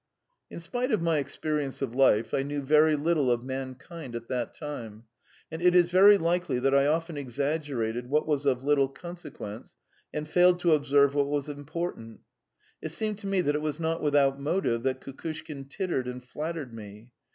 In spite of my experience of life, I knew very little of mankind at that time, and it is very likely that I often exaggerated what was of little consequence and failed to observe what was important. It seemed to me it was not without motive that Kukushkin tittered and flattered me.